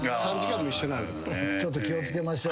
ちょっと気を付けましょう。